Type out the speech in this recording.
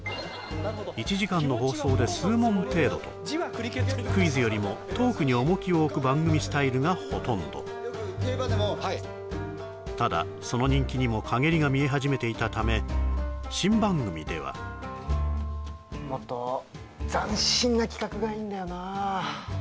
１時間の放送で数問程度とクイズよりもトークに重きを置く番組スタイルがほとんどただその人気にも陰りが見え始めていたため新番組ではもっと斬新な企画がいいんだよな